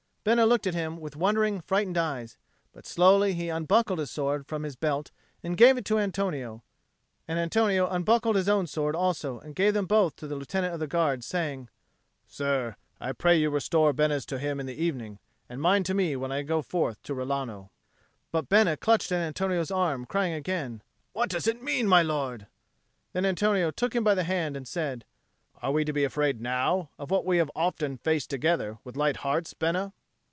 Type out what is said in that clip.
Bena looked at him with wondering frightened eyes; but slowly he unbuckled his sword from his belt and gave it to Antonio. And Antonio unbuckled his own sword also and gave them both to the Lieutenant of the Guard, saying, "Sir, I pray you to restore Bena's to him in the evening, and mine to me when I go forth to Rilano." But Bena clutched at Antonio's arm, crying again, "What does it mean, my lord?" Then Antonio took him by the hand and said, "Are we to be afraid now of what we have often faced together with light hearts, Bena?"